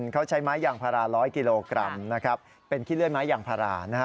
ขี้เลื้อยไม้อย่างพารา๑๐๐กิโลกรัมเป็นขี้เลื้อยไม้อย่างพารา